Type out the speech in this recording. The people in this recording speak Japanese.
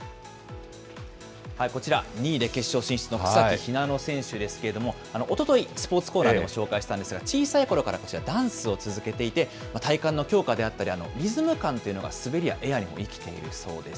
こちら、２位で決勝進出の草木ひなの選手ですけれども、おととい、スポーツコーナーでも紹介したんですが、小さいころからこちら、ダンスを続けていて、体幹の強化であったり、リズム感というのが滑りやエアにも生きているそうです。